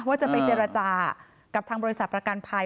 ว่าจะไปเจรจากับทางบริษัทประกันภัย